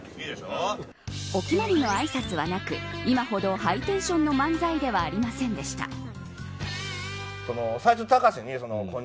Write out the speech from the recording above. だから俺お決まりのあいさつはなく今ほどハイテンションの漫才ではありませんでした。